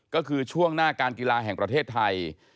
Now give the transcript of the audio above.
ก็คือช่วงหน้าการกีฬาแห่งประเทศไทย